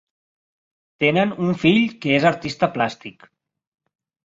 Tenen un fill que és artista plàstic.